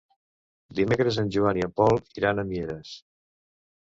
Dimecres en Joan i en Pol iran a Mieres.